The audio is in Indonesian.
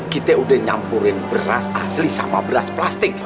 kita udah nyampurin beras asli sama beras plastik